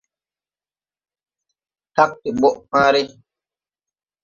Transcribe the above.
Kagn de ɓɔʼ pããre.